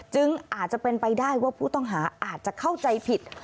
อาจจะเป็นไปได้ว่าผู้ต้องหาอาจจะเข้าใจผิด